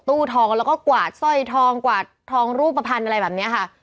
ตู้ทองแล้วก็กวาดสร้อยทองกวาดทองรูปภัณฑ์อะไรแบบนี้ค่ะ